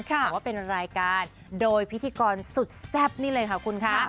แต่ว่าเป็นรายการโดยพิธีกรสุดแซ่บนี่เลยค่ะคุณค่ะ